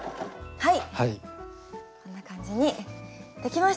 はい。